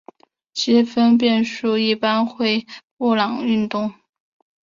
积分变数一般会布朗运动。